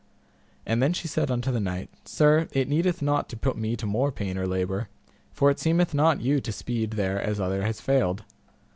And then she said unto the knight, Sir, it needeth not to put me to more pain or labour, for it seemeth not you to speed there as other have failed.